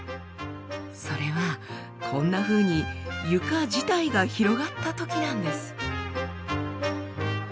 それはこんなふうに床自体が広がったときなんです。